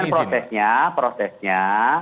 nah kemudian prosesnya prosesnya